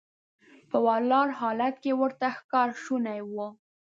په ولاړ حالت کې ورته ښکار شونی و.